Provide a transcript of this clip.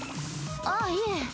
ああいえ。